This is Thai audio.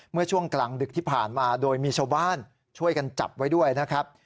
เมื่อช่วงกลางดึกที่ผ่านมาโดยมีชาวบ้านช่วยกันจับไว้ด้วยนะครับ